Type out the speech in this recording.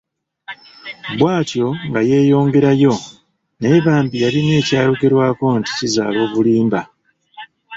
Bw'atyo nga yeeyongerayo naye bambi yalina ekyayogerwako nti kizaala obulimba.